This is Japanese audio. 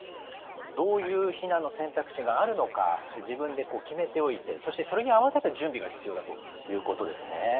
どういう避難の選択肢があるのか自分で決めておいてそしてそれに合わせた準備が必要だということですね。